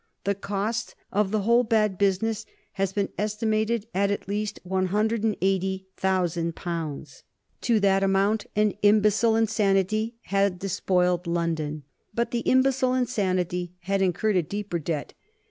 The cost of the whole bad business has been estimated at at least 180,000 pounds. To that amount an imbecile insanity had despoiled London. But the imbecile insanity had incurred a deeper debt.